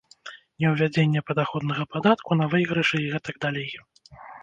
Неўвядзенне падаходнага падатку на выйгрышы і гэтак далей.